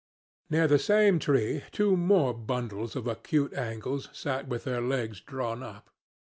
"Near the same tree two more bundles of acute angles sat with their legs drawn up.